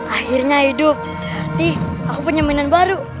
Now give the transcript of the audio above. akhirnya hidup nanti aku punya mainan baru